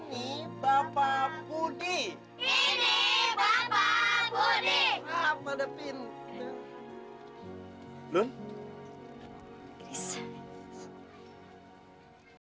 biaya sekolah saya sampai satu tahun